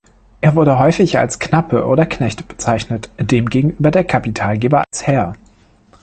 Er wurde häufig als Knappe oder Knecht bezeichnet, demgegenüber der Kapitalgeber als Herr.